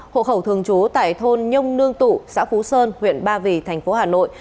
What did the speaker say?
hộ khẩu thường chú tại thôn nhông nương tụ xã phú sơn huyện ba vì tp hà nội